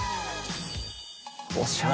おしゃれ！